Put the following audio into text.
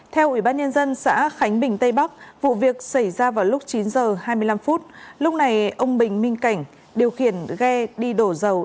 theo ubnd xã khánh bình tây bắc vụ việc xảy ra vào lúc chín h hai mươi năm lúc này ông bình minh cảnh điều khiển ghe đi đổ dầu